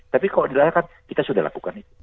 tapi kalau di wilayah kan kita sudah lakukan itu